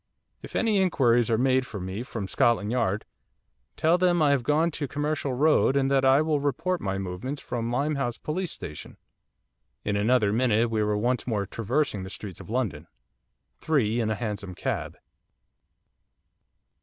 If any inquiries are made for me from Scotland Yard, tell them that I have gone to the Commercial Road, and that I will report my movements from Limehouse Police Station.' In another minute we were once more traversing the streets of London, three in a hansom cab.